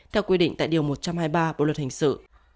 theo quy định tại điều một trăm hai mươi ba bộ luật hình sự